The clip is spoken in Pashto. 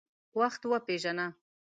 وخت وپیژنه.